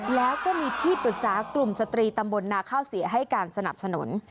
แล้วก็มีที่ปรึกษากลุ่มสตรีตำบลนาข้าวเสียให้การสนับสนุน